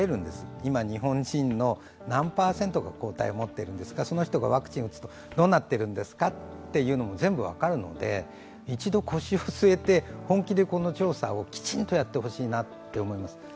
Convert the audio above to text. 今日本人の何パーセントが抗体を持っているのかその人がワクチンを打ってどうなっているんですかと全部分かるので、一度腰を据えて、本気でこの調査をきちんとやってほしいなと思いますね。